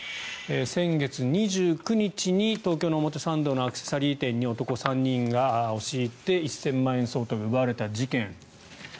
先月２９日に東京の表参道のアクセサリー店に男３人が押し入って１０００万円相当が奪われた事件。